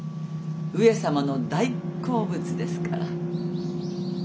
上様の大好物ですから。